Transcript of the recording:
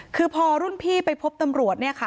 คือพอรุ่นพี่ไปพบตำรวจเนี่ยค่ะ